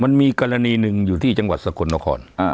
มันมีกรณีหนึ่งอยู่ที่จังหวัดสกลนคร